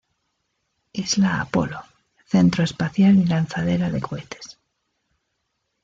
Isla Apollo: Centro espacial y lanzadera de cohetes.